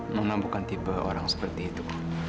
munam bukan tipe orang seperti itu